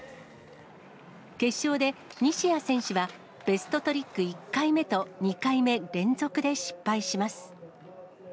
決勝で西矢選手は、ベストトリック１回目と２回目、連続で失敗します。